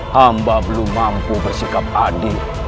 hamba belum mampu bersikap adil